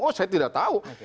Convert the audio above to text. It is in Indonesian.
oh saya tidak tahu